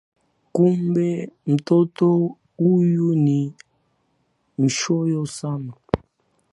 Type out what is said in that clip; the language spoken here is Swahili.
Kumbe mtoto huyu ni mchoyo sana